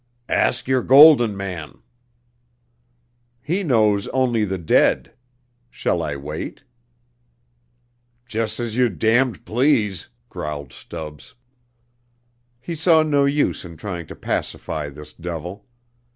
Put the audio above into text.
"Ask your Golden Man." "He knows only the dead. Shall I wait?" "Jus' as you damned please," growled Stubbs. He saw no use in trying to pacify this devil.